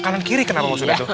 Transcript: kanan kiri kenapa maksudnya itu